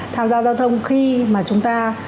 tham gia giao thông khi mà chúng ta